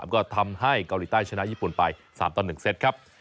ก็ทำให้เกาหลีใต้ชนะญี่ปุ่นไป๓ต่อ๑เซตครับ